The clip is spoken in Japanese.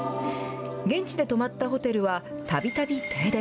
現地で泊まったホテルは、たびたび停電。